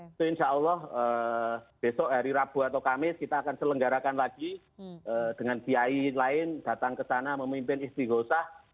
itu insya allah besok hari rabu atau kamis kita akan selenggarakan lagi dengan kiai lain datang ke sana memimpin istighosah